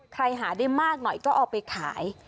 หาได้มากหน่อยก็เอาไปขาย